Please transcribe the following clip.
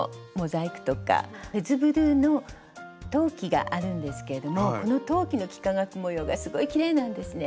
フェズブルーの陶器があるんですけれどもこの陶器の幾何学模様がすごいきれいなんですね。